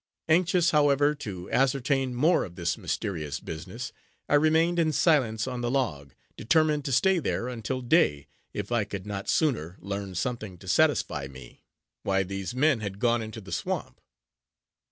Anxious, however, to ascertain more of this mysterious business, I remained in silence on the log, determined to stay there until day, if I could not sooner learn something to satisfy me. Why these men had gone into the swamp.